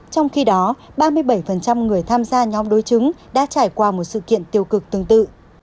trong khi đó ba mươi bảy người tham gia nhóm đối chứng đã trải qua một sự kiện tiêu cực tương tự